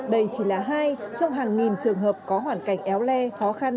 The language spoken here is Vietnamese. đây chỉ là hai trong hàng nghìn trường hợp có hoàn cảnh éo le khó khăn